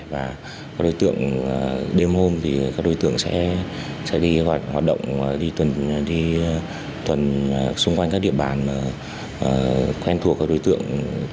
và các đối tượng đêm hôm thì các đối tượng sẽ đi hoạt động đi tuần xung quanh các địa bàn quen thuộc các đối tượng